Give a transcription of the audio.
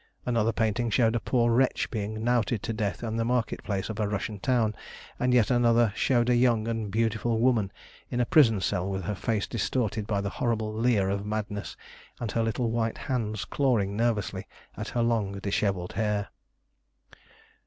Another painting showed a poor wretch being knouted to death in the market place of a Russian town, and yet another showed a young and beautiful woman in a prison cell with her face distorted by the horrible leer of madness, and her little white hands clawing nervously at her long dishevelled hair.